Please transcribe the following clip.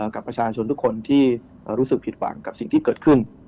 กับประชาชนทุกคนที่รู้สึกผิดหวังกับสิ่งที่เกิดขึ้น